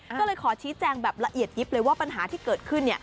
ก็เลยขอชี้แจงแบบละเอียดยิบเลยว่าปัญหาที่เกิดขึ้น